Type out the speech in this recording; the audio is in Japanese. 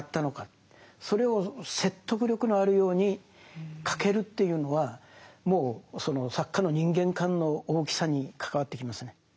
それを説得力のあるように書けるというのはもうその作家の人間観の大きさに関わってきますね。